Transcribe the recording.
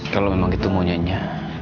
kalau memang itu monyonya nya